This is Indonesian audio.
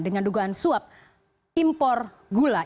dengan dugaan suap impor gula